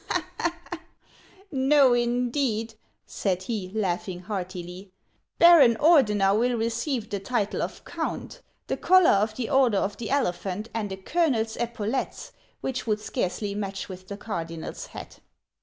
" No, indeed," said he, laughing heartily. " Baron Or dener will receive the title of count, the collar of the Order HANS OF ICELAND. 105 of the Elephant, and a colonel's epaulettes, which would scarcely match with the cardinal's hat."